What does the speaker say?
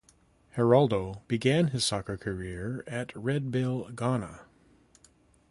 Geraldo began his soccer career at Redbull Ghana.